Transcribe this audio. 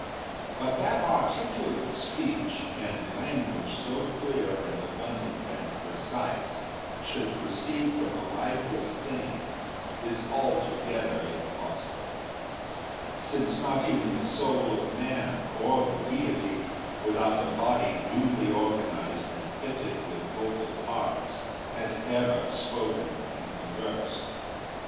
But that articulate speech, and language so clear and abundant and precise, should proceed from a lifeless thing, is altogether impossible; since not even the soul of man, or the Deity, without a body duly organized and fitted with vocal parts, has ever spoken and conversed.